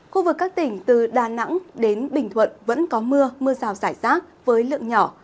khu vực các tỉnh từ đà nẵng đến bình thuận vẫn có mưa mưa rào rải rác với lượng nhỏ